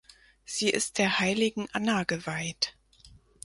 Sie ist der heiligen Anna geweiht.